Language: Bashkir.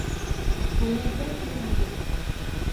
Күңелһеҙ тиһең бит!